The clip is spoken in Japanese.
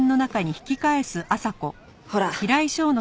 ほら。